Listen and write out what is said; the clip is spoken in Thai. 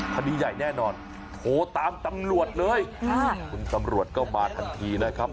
คดีใหญ่แน่นอนโทรตามตำรวจเลยค่ะคุณตำรวจก็มาทันทีนะครับ